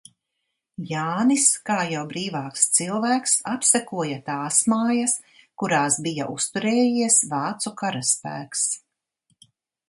Jānis, kā jau brīvāks cilvēks apsekoja tās mājas, kurās bija uzturējies vācu karaspēks.